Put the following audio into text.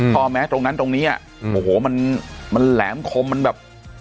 พอแม้ตรงนั้นตรงนี้โอ้โหมันแหลมคมมันแบบ